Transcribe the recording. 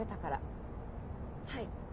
はい。